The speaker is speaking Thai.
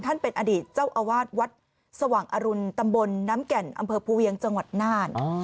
ท่านเป็นอดีตเจ้าอาวาสวัดสว่างอรุณตำบลน้ำแก่นอำเภอภูเวียงจังหวัดน่าน